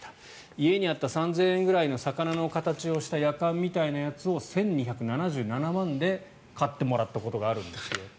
家にあった３０００円ぐらいの魚の形をしたやかんみたいなやつを１２７７万円で買ってもらったことがあるんですよ。